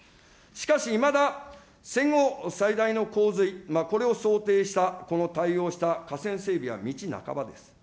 しかし、いまだ戦後最大の洪水、これを想定したこの対応した河川整備は道半ばです。